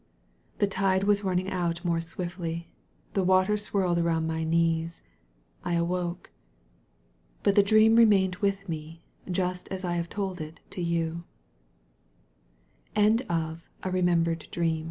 The tide was running out more swiftly. The water swirled around my knees. I awoke. But the dream remained with me, just as I have told it